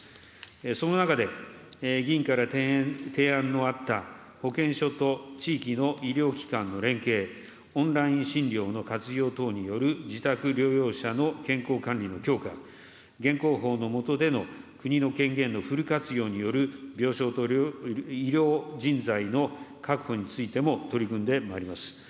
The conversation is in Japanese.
その中で、議員から提案のあった保健所と地域の医療機関の連携、オンライン診療の活用等による自宅療養者の健康管理の強化、現行法の下での国の権限のフル活用による病床と医療人材の確保についても取り組んでまいります。